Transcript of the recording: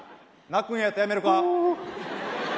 泣くんやったらやめるか？